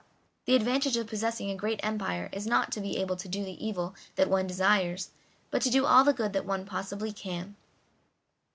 The advantage of possessing a great empire is not to be able to do the evil that one desires, but to do all the good that one possibly can."